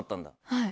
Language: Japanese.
はい。